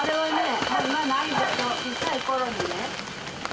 小さい頃にね。